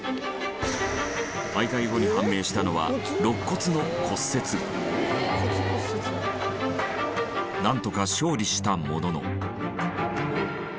大会後に判明したのはなんとか勝利したものの。